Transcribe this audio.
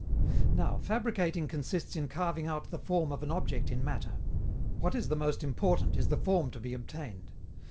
_ Now, fabricating consists in carving out the form of an object in matter. What is the most important is the form to be obtained.